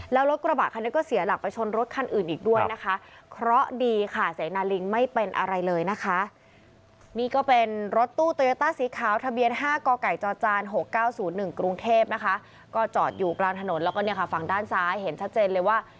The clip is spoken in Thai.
แล้วรถกระบะคันเนี่ยก็เสียหลักประชชนรถคันอื่นอีกด้วยนะคะ